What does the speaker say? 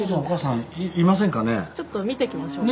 ちょっと見てきましょうか。